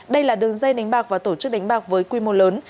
đây là đường dây đánh bạc và tổ chức đánh bạc với quy mô lớn